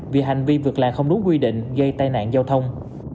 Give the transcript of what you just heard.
vì hành vi vượt là không đúng quy định gây tai nạn giao thông